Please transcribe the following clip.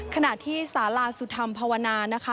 ขณะที่สาราสุธรรมภาวนานะคะ